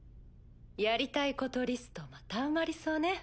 やりたいことリストまた埋まりそうね。